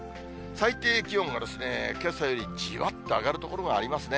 最低気温がですね、けさよりじわっと上がる所がありますね。